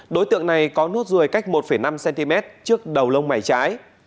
đối tượng này có nốt ruồi cách một năm cm trước đầu lông mày trái